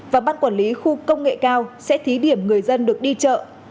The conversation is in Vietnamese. và ban quản lý khu công nghệ cao sẽ thí điểm người dân được đi chợ